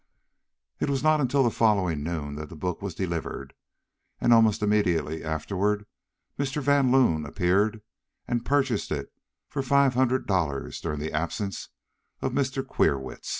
"It was not until the following noon that the book was delivered, and almost immediately afterward Mr. Van Loon appeared and purchased it for five hundred dollars during the absence of Mr. Queerwitz.